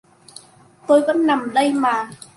Tôi vẫn nằm đây mà